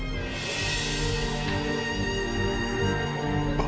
papa sendiri pak